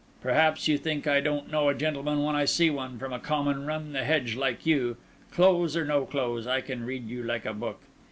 Perhaps you think I don't know a gentleman when I see one, from a common run the hedge like you? Clothes or no clothes, I can read you like a book.